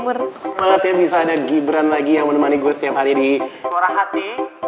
seneng banget ya bisa ada gibran lagi yang menemani gue setiap hari di suara hati